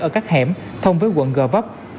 ở các hẻm thông với quận gò vấp